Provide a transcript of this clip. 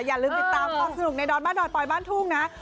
อย่าลืมติดตามความสนุกในดอนบ้านดอยปอยบ้านทุ่งนะ